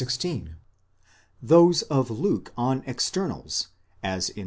16; those of Luke on externals, as in v.